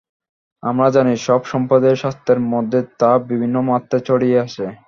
আমরা জানি, সব সম্প্রদায়ের শাস্ত্রের মধ্যেই তা বিভিন্ন মাত্রায় ছড়িয়ে আছে।